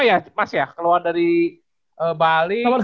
iya mas ya keluar dari bali ke bimas